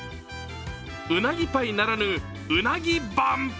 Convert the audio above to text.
うなぎパイならぬうなぎバン。